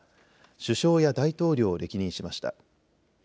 首相や大統領を歴任しました。